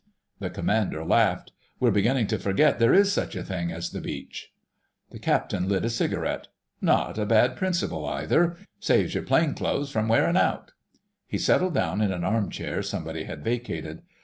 The Commander laughed. "We're beginning to forget there is such a thing as the beach." The Captain lit a cigarette. "Not a bad principle either—saves your plain clothes from wearing out." He settled down in an arm chair somebody had vacated.